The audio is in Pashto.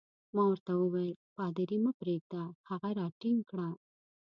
ما ورته وویل: پادري مه پرېږده، هغه راټینګ کړه.